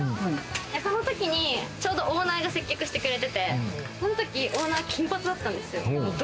その時に、ちょうどオーナーが接客してくれてて、その時、オーナー金髪だったんですよ。